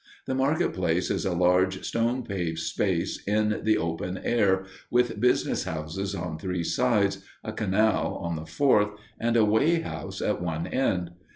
The market place is a large stone paved space in the open air, with business houses on three sides, a canal on the fourth side, and a weigh house at one end.